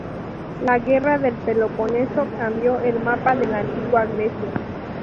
La guerra del Peloponeso cambió el mapa de la Antigua Grecia.